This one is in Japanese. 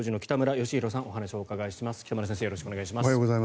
よろしくお願いします。